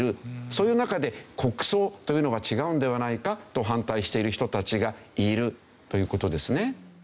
そういう中で国葬というのは違うのではないかと反対している人たちがいるという事ですね。